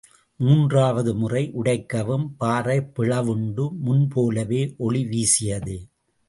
மூன்றாவது முறை உடைக்கவும் பாறை பிளவுண்டு, முன் போலவே ஒளி வீசியது.